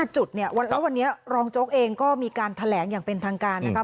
จุดเนี่ยแล้ววันนี้รองโจ๊กเองก็มีการแถลงอย่างเป็นทางการนะครับ